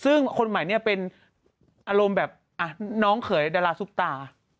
ซึ่งคนใหม่เนี่ยเป็นอารมณ์แบบน้องเขยดาราซุปตา